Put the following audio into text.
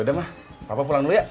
yaudah mak papa pulang dulu ya